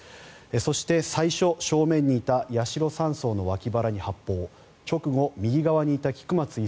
そして、最初正面にいた八代３曹の脇腹に発砲直後、右側にいた菊松１